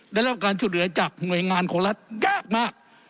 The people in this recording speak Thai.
ได้รับการช่วยเหลือจากหน่วยงานของรัฐยากมาก